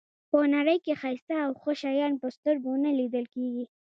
په نړۍ کې ښایسته او ښه شیان په سترګو نه لیدل کېږي.